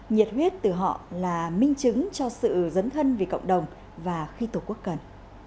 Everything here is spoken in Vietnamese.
nhiệt huyết từ họ là minh chứng cho sự dấn thân vì cộng đồng và khi tổ quốc cần